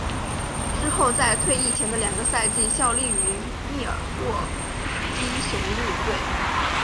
之后在退役前的两个赛季效力于密尔沃基雄鹿队。